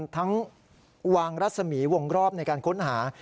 ทั้งวางรัศมีวงรอบในการค้นหา